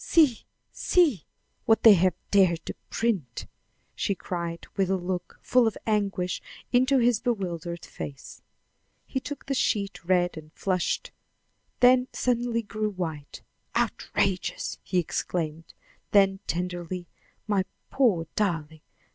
"See! see! what they have dared to print!" she cried, with a look, full of anguish, into his bewildered face. He took the sheet, read, and flushed, then suddenly grew white. "Outrageous!" he exclaimed. Then tenderly, "My poor darling!